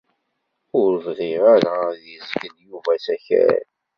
Ur bɣiɣ ara ad yezgel Yuba asakal.